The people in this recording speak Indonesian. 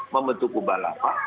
membentuk kubah lapak